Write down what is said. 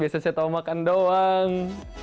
biasa saya tau makan doang